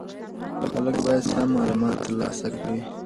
خلک باید سم معلومات ترلاسه کړي.